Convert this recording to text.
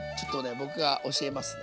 僕が教えますね。